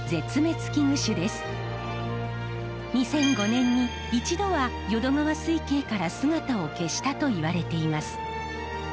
２００５年に一度は淀川水系から姿を消したといわれています。